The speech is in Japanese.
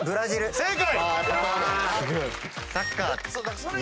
正解！